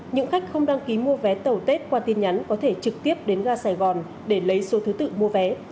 những khách không đăng ký mua vé tàu tết qua tin nhắn có thể trực tiếp đến ga sài gòn để lấy số thứ tự mua vé